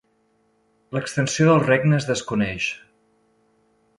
L'extensió del regne es desconeix.